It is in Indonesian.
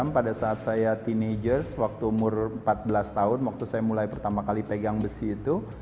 pada saat saya teenagers waktu umur empat belas tahun waktu saya mulai pertama kali pegang besi itu